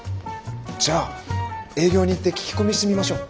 じゃあ営業に行って聞き込みしてみましょう。